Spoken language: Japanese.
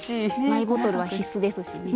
マイボトルは必須ですしね。